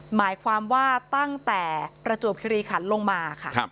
หมายความว่าตั้งแต่ประจวบคิริขันลงมาค่ะ